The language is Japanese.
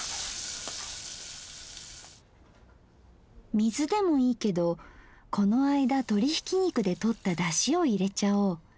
水でもいいけどこの間鶏ひき肉でとっただしを入れちゃおう。